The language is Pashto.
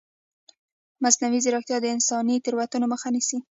مصنوعي ځیرکتیا د انساني تېروتنو مخه نیسي.